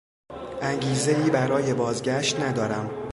انگیزهای برای بازگشت ندارم.